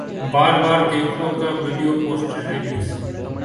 بار بار دیکھو کا video poster release